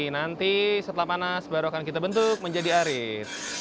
nanti setelah panas baru akan kita bentuk menjadi arit